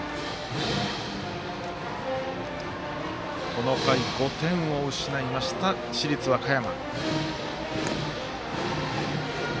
この回、５点を失いました市立和歌山。